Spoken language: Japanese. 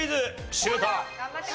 シュート！